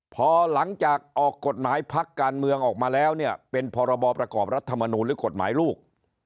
พอหลังจากออกกฎหมายพักการเมืองออกมาแล้วเนี่ยเป็นพรบประกอบรัฐมนูลหรือกฎหมายลูก